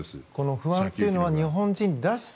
不安というのは日本人らしさ